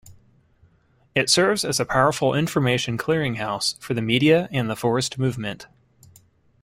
It serves as a powerful information clearing-house for the media and the forest movement.